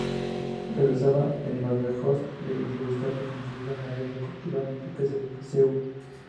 Regresaba de Badajoz, de entrevistarse con su hija María de Portugal, duquesa de Viseu.